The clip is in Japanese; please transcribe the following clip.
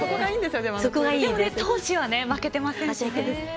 闘志は負けてません。